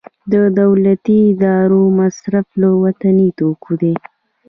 د دولتي ادارو مصرف له وطني توکو دی